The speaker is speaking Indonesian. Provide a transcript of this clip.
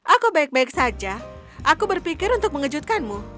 aku baik baik saja aku berpikir untuk mengejutkanmu